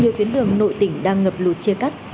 nhiều tuyến đường nội tỉnh đang ngập lụt chia cắt